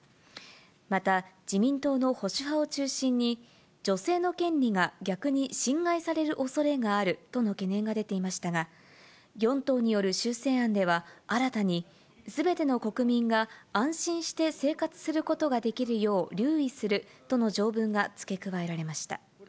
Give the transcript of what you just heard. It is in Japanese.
また自民党の保守派を中心に女性の権利が逆に侵害されるおそれがあるとの懸念が出ていましたが、４党による修正案では、新たにすべての国民が安心して生活することができるよう留意するとの条文がつけ加えられました。